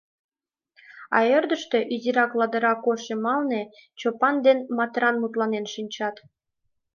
А ӧрдыжтӧ, изирак ладыра кож йымалне, Чопан ден Матрана мутланен шинчат.